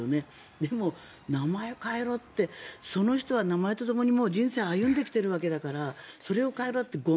でも名前変えろってその人は名前とともに人生を歩んできているわけだからそれを変えるというのは